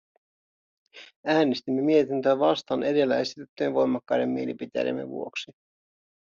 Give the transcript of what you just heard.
Äänestimme mietintöä vastaan edellä esitettyjen voimakkaiden mielipiteidemme vuoksi.